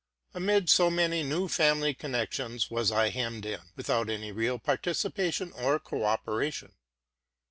Amid so many new family connections was I hemmed in, without any real par ticipation or co operation.